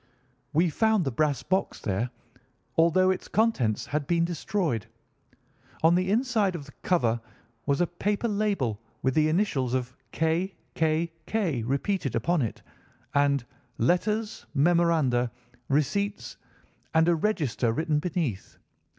We found the brass box there, although its contents had been destroyed. On the inside of the cover was a paper label, with the initials of K. K. K. repeated upon it, and 'Letters, memoranda, receipts, and a register' written beneath.